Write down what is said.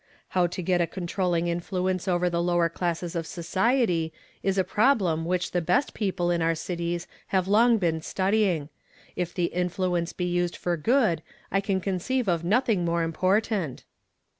"How to ,i,'et a eou trolliui';' inllueuee over the lower classes of society is a problem which the best peoj)h^ in our cities have long been study in<r. If the influence be used for good, I can conceive of nothing more important."